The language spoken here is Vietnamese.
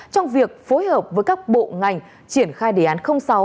trong việc phối hợp với các bộ ngành triển khai đề án sáu